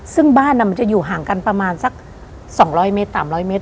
ซึ่งบ้านมันจะอยู่ห่างกันประมาณสัก๒๐๐เมตร๓๐๐เมตร